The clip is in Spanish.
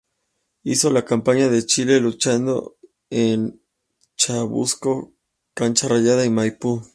Hizo la campaña de Chile, luchando en Chacabuco, Cancha Rayada y Maipú.